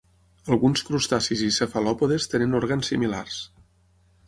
Alguns crustacis i cefalòpodes tenen òrgans similars.